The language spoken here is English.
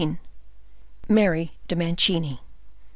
Mary de Mancini.